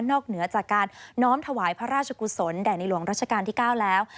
เหนือจากการน้อมถวายพระราชกุศลแด่ในหลวงรัชกาลที่๙แล้ว